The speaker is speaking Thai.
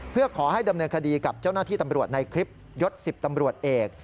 เพื่อขอให้ดำเนินคดีกับเจ้าหน้าที่ตำรวจในคลิปยศ๑๐ตำรวจเอก